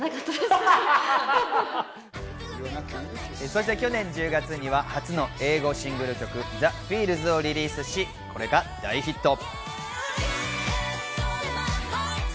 そして去年１０月には初の英語シングル曲『ＴｈｅＦｅｅｌｓ』をリリースし、これが大ヒット。